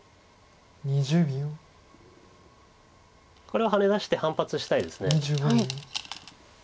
これはハネ出して反発したいです。